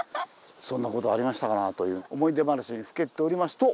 そんなことありましたかなという思い出話にふけっておりますと。